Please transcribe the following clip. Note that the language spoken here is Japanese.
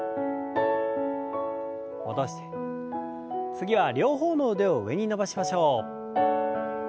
次は両方の腕を上に伸ばしましょう。